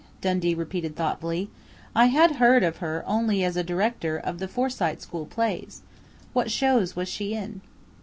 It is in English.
Dundee repeated thoughtfully. "I had heard of her only as director of the Forsyte School plays.... What shows was she in?"